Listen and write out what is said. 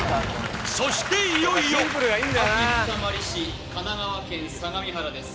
そして、いよいよ秋深まる神奈川県相模原です。